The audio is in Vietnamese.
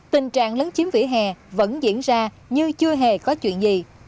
tình trạng lấn chiếm vỉa hè vẫn diễn ra như chưa hề có chuyện gì